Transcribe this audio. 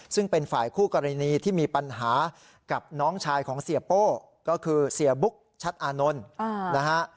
ซึ่งเป็นฝ่ายคู่กรณีที่มีปัญหากับน้องชายของเสียโป้ก็คือเสียบุ๊กชัดอานนท์นะฮะ